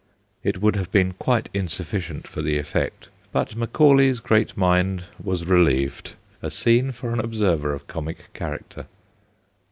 It would have been quite insufficient for the effect, 90 THE GHOSTS OF PICCADILLY but Macaulay's great mind was relieved. A scene for an observer of comic character.